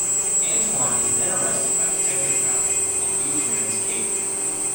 Antoine is then arrested by Detective Fowler, and Deuce marries Kate.